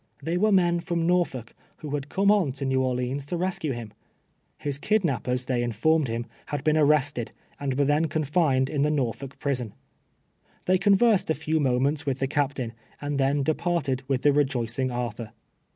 They were men from Norfolk, who had come on to New Orleans to rescue him. His kidnappers, they inf(.>rmed him, had l)een arrested, and were then contined in the Xorlblk prison. They conyersed a few moments with the captain, and then departed with the rejoicing Arthur.